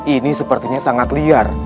ini sepertinya sangat liar